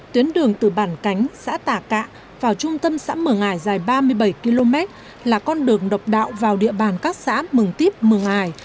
tuyến đường từ bản cánh xã tà cạ vào trung tâm xã mường ải dài ba mươi bảy km là con đường độc đạo vào địa bàn các xã mừng tiếp mường ải